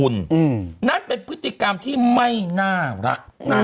นั่นเป็นพฤติกรรมที่ไม่น่ารัก